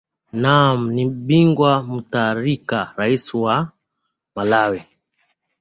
naam ni bingu mutharika rais wa malawi